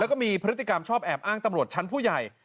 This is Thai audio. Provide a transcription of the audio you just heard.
แล้วก็มีพฤติกรรมชอบแอบอ้างตำรวจชั้นผู้ใหญ่